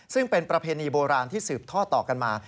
ซึ่งเป็นประเพณีโบราณที่สืบท่อต่อกันมา